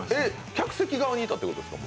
客席側にいたということですか？